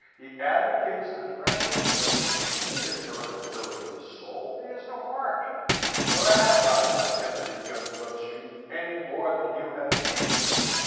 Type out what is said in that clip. He advocates the thrashing of women! He has no nobility of soul! He has no heart!" Nor have I, my eminent young Grubstreet! any more than you have ears.